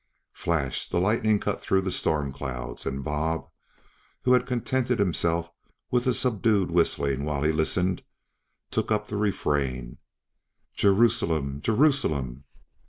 Flash! the lightning cut through the storm clouds, and Bob, who had contented himself with a subdued whistling while he listened, took up the refrain: "Jerusalem, Jerusalem."